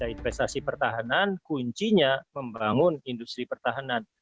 investasi pertahanan kuncinya membangun industri pertahanan